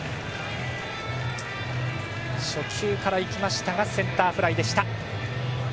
初球から行きましたがセンターフライでした。